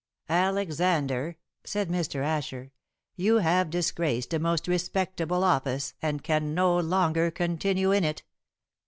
"Alexander," said Mr. Asher, "you have disgraced a most respectable office, and can no longer continue in it.